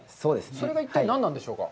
それが一体何なんでしょうか。